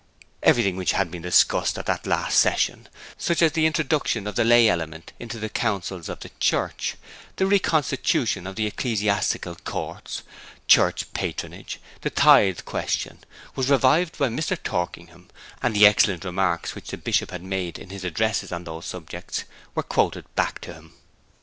Everything which had been discussed at that last session such as the introduction of the lay element into the councils of the church, the reconstitution of the ecclesiastical courts, church patronage, the tithe question was revived by Mr. Torkingham, and the excellent remarks which the Bishop had made in his addresses on those subjects were quoted back to him.